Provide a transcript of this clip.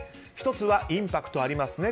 １つはインパクトありますね